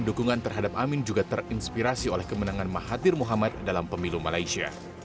dukungan terhadap amin juga terinspirasi oleh kemenangan mahathir muhammad dalam pemilu malaysia